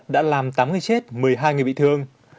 lũ giữ sạt lở đất đã làm tám người chết một mươi hai người bị thương